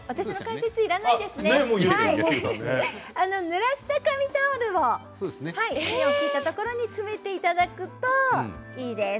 ぬらした紙タオルを芯をくり抜いたところに詰めていただけるといいです。